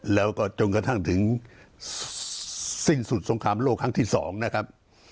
แล้วก็จนกระทั่งถึงสิ้นสุดสงครามโลกครั้งที่๒นะครับ